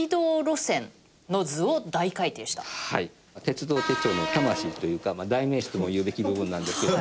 鉄道手帳の魂というか代名詞ともいうべき部分なんですけど。